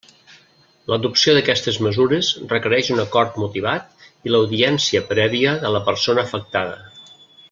L'adopció d'aquestes mesures requereix un acord motivat i l'audiència prèvia de la persona afectada.